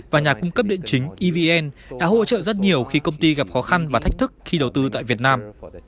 và nhà cung cấp điện chính evn đã hỗ trợ rất nhiều khi công ty gặp khó khăn và thách thức khi đầu tư tại việt nam